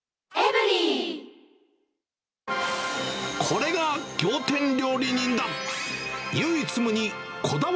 これが仰天料理人だ。